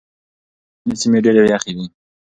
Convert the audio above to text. ځينې سيمې ډېرې يخې دي.